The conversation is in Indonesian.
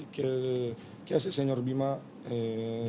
khusus tugas peskimer di kepilauan sebenarnya